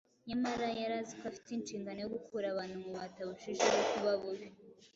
nyamara yari azi ko afite inshingano yo gukura abantu mu bubata burushijeho kuba bubi